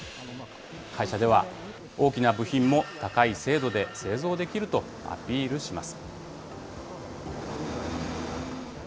会社では大きな部品も高い精度で製造できるとアピールします。